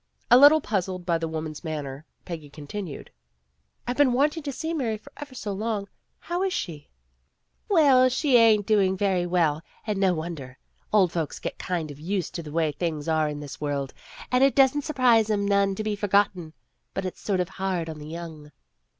A little puzzled by the woman 's manner, Peggy continued, "I've been wanting to see Mary for ever so long. How is she f '' ''Well, she ain't doing very well, and no won der. Old folks get kind of used to the way things are in this world, and it doesn't surprise 'em none to be forgotten. But it's sort of hard on the young.